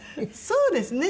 そうですね。